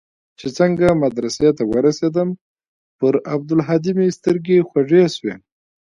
چې څنگه مدرسې ته ورسېدم پر عبدالهادي مې سترګې خوږې سوې.